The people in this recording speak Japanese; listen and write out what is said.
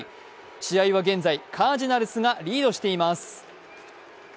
試合は現在カージナルスがリードしています。